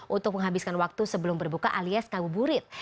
untuk menghabiskan waktu sebelum berbuka alias ngabuburit